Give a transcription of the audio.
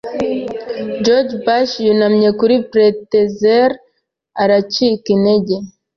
George W. Bush yunamye kuri pretzel aracika intege.